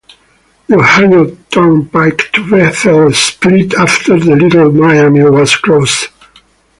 The Ohio Turnpike to Bethel split after the Little Miami was crossed.